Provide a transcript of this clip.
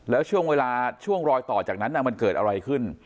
แล้วช่วงเวลาช่วงรอยต่อจากนั้นมันเกิดอะไรขึ้น